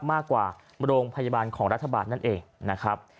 มากกว่าโรงพยาบาลของรัฐบาลนั่นเองนะครับ